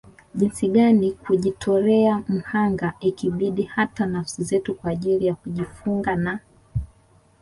Jinsi gani kujitolea mhanga ikibidi hata nafsi zetu kwa ajili ya kujifunga na